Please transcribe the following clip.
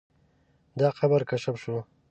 دا قبر کشف شو.